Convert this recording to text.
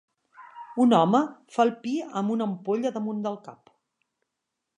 Un home fa el pi amb una ampolla damunt del cap